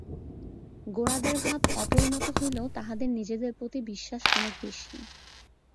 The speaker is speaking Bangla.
গোঁড়াদের ভাব অপরিণত হইলেও তাহাদের নিজেদের প্রতি বিশ্বাস অনেক বেশী।